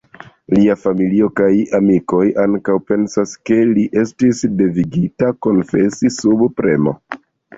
Lia familio kaj amikoj ankaŭ pensas, ke li estis devigita konfesi sub premo.